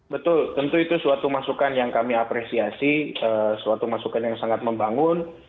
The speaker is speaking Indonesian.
betul tentu itu suatu masukan yang kami apresiasi suatu masukan yang sangat membangun